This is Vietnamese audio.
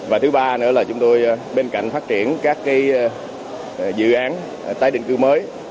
và thứ ba nữa là chúng tôi bên cạnh phát triển các dự án tái định cư mới